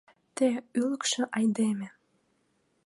— Те — ӱлыкшӧ айдеме!